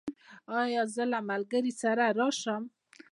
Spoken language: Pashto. ایا زه له ملګري سره راشم؟